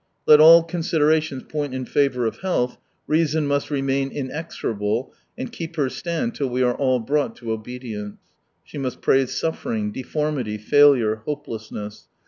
Let all con siderations point in favour of health, Reason must remain inexorable and keep her stand till we are all brought to obedience. She must praise suffering, deformity, failure, hopelessness.